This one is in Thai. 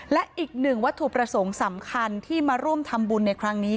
และอีกหนึ่งวัตถุประสงค์สำคัญที่มาร่วมทำบุญในครั้งนี้